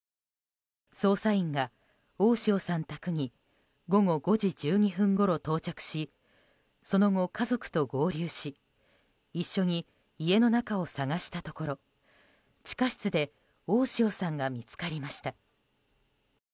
捜査員が大塩さん宅に午後５時１２分ごろ到着しその後、家族と合流し一緒に家の中を探したところ地下室で大塩さんが見つかりました。